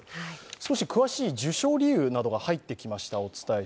少し詳しい受賞理由などが入ってきました。